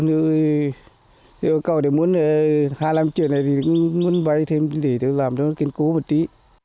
theo yêu cầu tôi muốn hai mươi năm triệu này thì cũng muốn vay thêm để làm cho nó kiên cố một tí